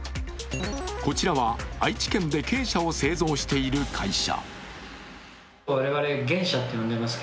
こちらは愛知県で珪砂を製造している会社。